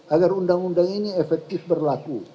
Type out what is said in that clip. agar undang undang ini efektif berlaku